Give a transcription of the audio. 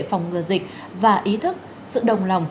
phòng ngừa dịch và ý thức sự đồng lòng